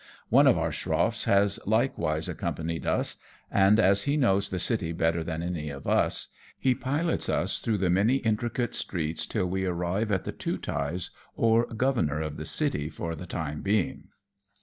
One of our schroffs has likewise accompanied us, and as he knows the city better than any of us, he pilots us through the many intricate streets till we arrive at the Tootai's, or governor of the city for the time being.